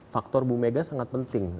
faktor bu mega sangat penting